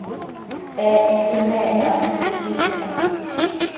He hipi me hihamsisiin iha.